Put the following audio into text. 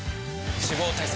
脂肪対策